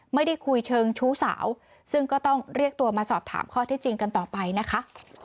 ไม่ได้คุยเชิงชู้สาวซึ่งก็ต้องเรียกตัวมาสอบถามข้อที่จริงกันต่อไปนะคะ